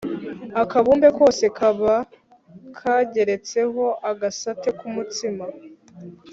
Akabumbe kose kaba kageretseho agasate kumutsima